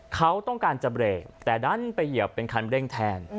เขาต้องการจะเบรกแต่ดันไปเหยียบเป็นคันเร่งแทน